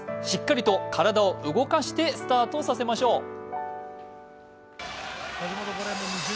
しっかりと体を動かしてスタートさせましょう。